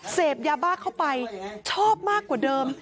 เสพยาบ้าเข้าไปชอบมากกว่าเดิม